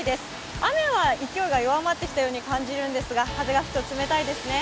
雨は勢いが弱ってきたように感じるんですが、風が吹くと冷たいですね。